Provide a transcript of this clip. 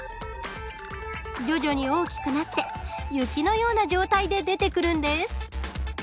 徐々に大きくなって雪のような状態で出てくるんです。